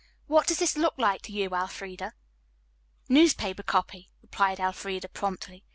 "What does this look like to you, Elfreda?" "Newspaper copy," replied Elfreda promptly.